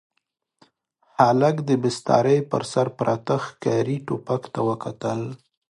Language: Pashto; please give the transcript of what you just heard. هلک د بسترې پر سر پراته ښکاري ټوپک ته وکتل.